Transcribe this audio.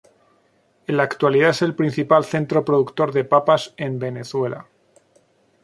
En la actualidad es el principal centro productor de papas en Venezuela.